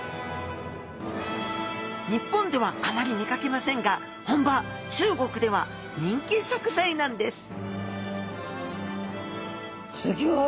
日本ではあまり見かけませんが本場中国では人気食材なんですすギョい。